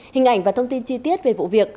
hình ảnh và thông tin chi tiết về vụ việc